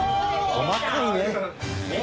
細かいね。